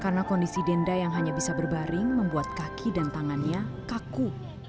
karena kondisi denda yang hanya bisa berbaring membuat kaki dan tangannya kaku